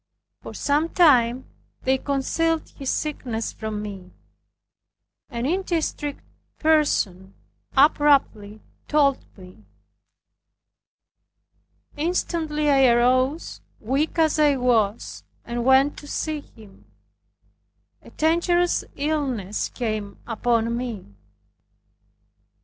For some time they concealed his sickness from me. An indiscreet person abruptly told me. Instantly I arose, weak as I was, and went to see him. A dangerous illness came upon me.